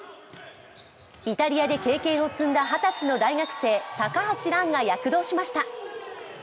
イタリアで経験を積んだ二十歳の大学生・高橋藍が躍動しました。